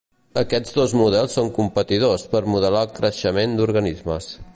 Aquests dos models són competidors per modelar el creixement d'organismes.